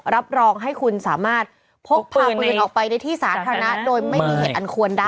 รับรองให้คุณสามารถพกพาคนอื่นออกไปในที่สาธารณะโดยไม่มีเหตุอันควรได้